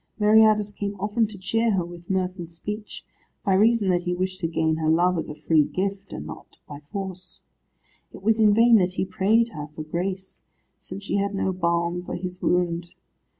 Meriadus came often to cheer her with mirth and speech, by reason that he wished to gain her love as a free gift, and not by force. It was in vain that he prayed her for grace, since she had no balm for his wound.